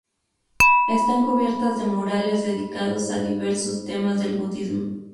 Están cubiertas de murales dedicados a diversos temas del budismo.